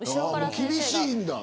厳しいんだ。